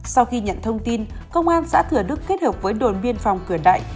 sau khi nhận thông tin công an xã thừa đức kết hợp với đồn biên phòng cửa đại